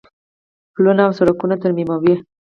پلونه او سړکونه ترمیموي.